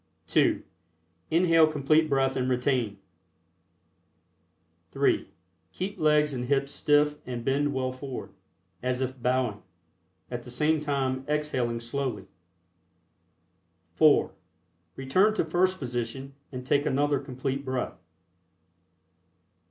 (2) Inhale Complete Breath and retain. (3) Keep legs and hips stiff and bend well forward, as If bowing, at the same time exhaling slowly. (4) Return to first position and take another Complete Breath.